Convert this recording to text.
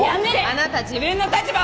あなた自分の立場を！